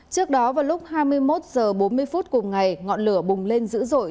trước đó vào lúc hai mươi một h bốn mươi phút cùng ngày ngọn lửa bùng lên dữ dội